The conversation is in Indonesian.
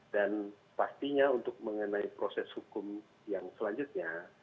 dan pastinya untuk mengenai proses hukum yang selanjutnya